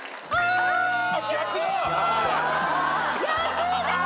逆だ！